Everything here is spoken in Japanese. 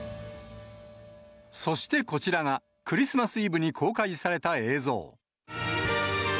そして、こちらがクリスマスイブに公開された映像。